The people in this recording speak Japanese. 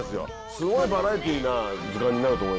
すごいバラエティーな図鑑になると思いますよ。